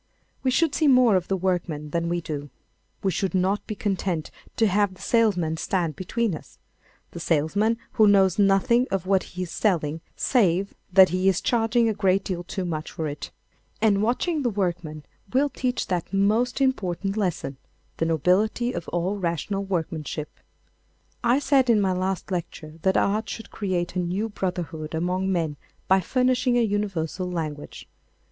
We should see more of the workman than we do. We should not be content to have the salesman stand between us—the salesman who knows nothing of what he is selling save that he is charging a great deal too much for it. And watching the workman will teach that most important lesson—the nobility of all rational workmanship. I said in my last lecture that art would create a new brotherhood among men by furnishing a universal language.